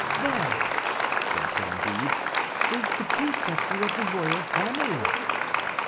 "There," said Candide, "is the preceptor of the royal family."